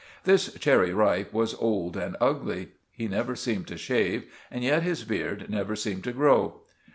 This Cherry Ripe was old and ugly. He never seemed to shave, and yet his beard never seemed to grow.